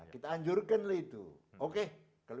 kita anjurkanlah itu oke